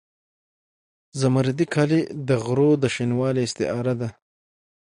زمردي کالي د غرو د شینوالي استعاره ده.